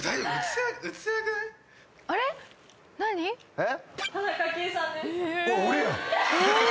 えっ？